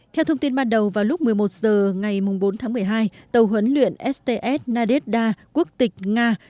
theo thông tin ban đầu vào lúc một mươi một h ngày bốn tháng một mươi hai tàu huấn luyện sts nadezda quốc tịch nga